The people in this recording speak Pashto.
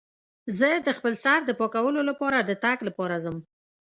زه د خپل سر د پاکولو لپاره د تګ لپاره لاړم.